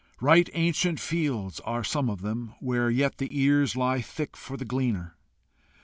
Right ancient fields are some of them, where yet the ears lie thick for the gleaner.